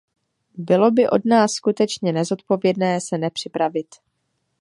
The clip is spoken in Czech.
Bylo by od nás skutečně nezodpovědné se nepřipravit.